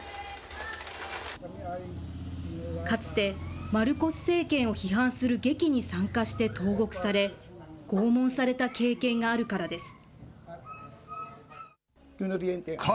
かつて、マルコス政権を批判する劇に参加して投獄され、拷問された経験があるからです。